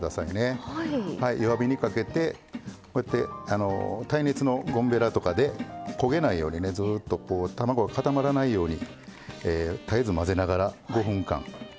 弱火にかけてこうやって耐熱のゴムべらとかで焦げないようにずっとこう卵が固まらないように絶えず混ぜながら５分間。